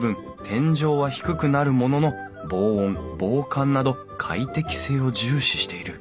天井は低くなるものの防音防寒など快適性を重視している